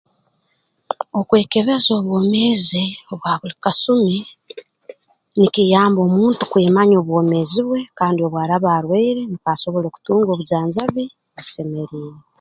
Okwekebeza obwomeezi obwa buli kasumi nikiyamba omuntu kwemanya obwomeezi bwe kandi obu araba arwaire nukwo asobole kutunga obujanjabi obusemeriire